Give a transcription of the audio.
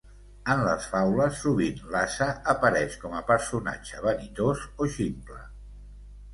En les faules sovint l'ase apareix com a personatge vanitós o ximple.